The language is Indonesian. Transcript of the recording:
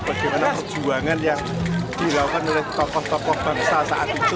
bagaimana perjuangan yang dilakukan oleh tokoh tokoh bangsa saat itu